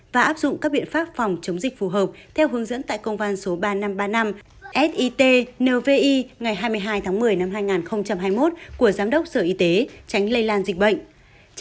và áp dụng các biện pháp phòng chống dịch phù hợp theo hướng dẫn tại công an số ba nghìn năm trăm ba mươi năm sit nvi ngày hai mươi hai tháng một mươi năm hai nghìn hai mươi một của giám đốc sở y tế tránh lây lan dịch bệnh